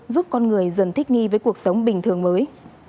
giúp con người dần thích nghi với cuộc sống bình thường mới